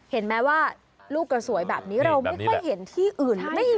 เห็นไหมว่าลูกกระสวยแบบนี้เราไม่ค่อยเห็นที่อื่น